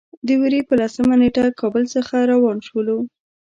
د وري په لسمه نېټه کابل څخه روان شولو.